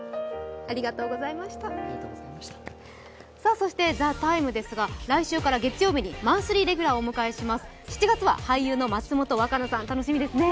そして「ＴＨＥＴＩＭＥ，」ですが来週から月曜日にマンスリレギュラーをお迎えします、７月は俳優の松本若菜さん、楽しみですね。